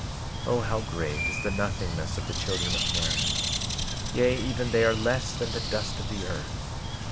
12:7 O how great is the nothingness of the children of men; yea, even they are less than the dust of the earth.